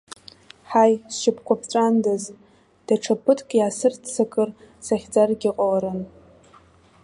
Ҳаи, сшьапқәа ԥҵәандаз, даҽа ԥыҭк иаасырццакыр, сахьӡаргьы ҟаларын.